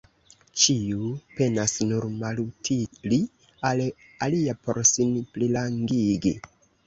Ĉiu penas nur malutili al alia por sin plirangigi.